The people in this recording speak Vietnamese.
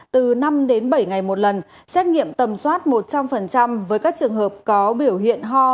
từ năm đến bảy ngày một lần xét nghiệm tầm soát một trăm linh với các trường hợp có biểu hiện ho